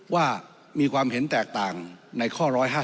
ว่ามีความเห็นแตกต่างในข้อ๑๕๗